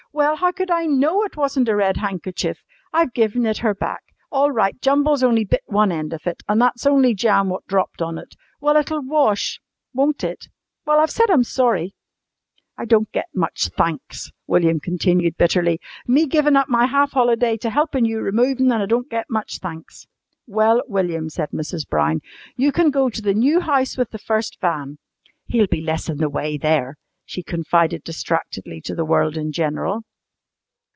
Well, how could I know it wasn't a red handkerchief? I've given it her back. It's all right, Jumble's only bit one end of it. And that's only jam what dropped on it. Well, it'll wash, won't it? Well, I've said I'm sorry. "I don't get much thanks," William continued bitterly. "Me givin' up my half holiday to helpin' you removin', an' I don't get much thanks!" "Well, William," said Mrs. Brown, "you can go to the new house with the first van. He'll be less in the way there," she confided distractedly to the world in general.